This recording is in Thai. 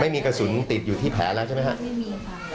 ไม่มีกระสุนติดอยู่ที่แผลแล้วใช่ไหมครับไม่มีค่ะ